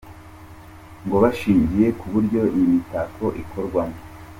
Ngo bashingiye ku buryo iyi mitako ikorwamo